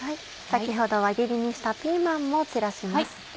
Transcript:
先ほど輪切りにしたピーマンも散らします。